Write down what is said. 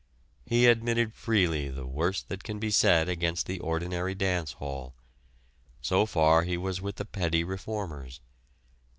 He admitted freely the worst that can be said against the ordinary dance hall. So far he was with the petty reformers.